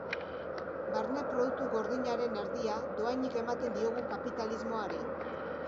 Barne Produktu Gordinaren erdia dohainik ematen diogu kapitalismoari.